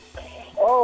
apa yang dihidangkan